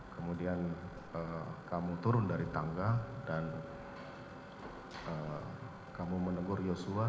kemudian kamu turun dari tangga dan kamu menegur yosua